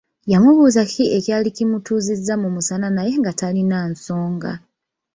Yamubuuza kiki ekyali kimutuuzizza mu musana naye nga talina nsonga.